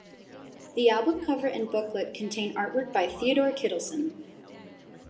The album cover and booklet contain artwork by Theodor Kittelsen.